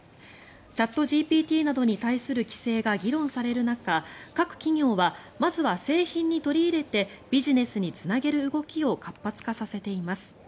チャットＧＰＴなどに対する規制が議論される中各企業はまずは製品に取り入れてビジネスにつなげる動きを活発化させています。